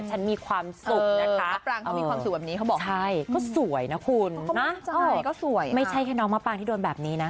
ฉันมีความสุขนะคะใช่ก็สวยนะคุณไม่ใช่แค่น้องมะปังที่โดนแบบนี้นะ